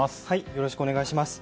よろしくお願いします。